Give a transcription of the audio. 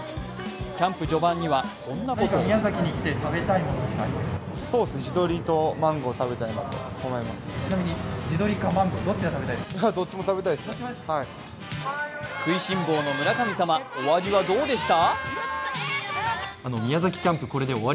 キャンプ序盤にはこんなことを食いしん坊の村神様お味はどうでした？